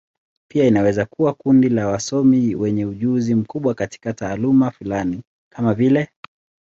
Pia inaweza kuwa kundi la wasomi wenye ujuzi mkubwa katika taaluma fulani, kama vile.